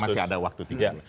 masih ada waktu tiga